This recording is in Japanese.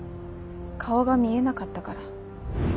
顔が見えなかったから。